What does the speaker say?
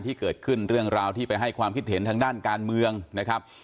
เรื่องราวที่ไปให้ความคิดเห็นทางด้านการเมืองนะครับ